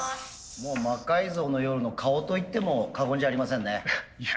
「魔改造の夜」の顔といっても過言じゃありませんね。